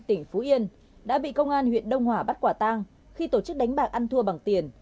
tỉnh phú yên đã bị công an huyện đông hòa bắt quả tang khi tổ chức đánh bạc ăn thua bằng tiền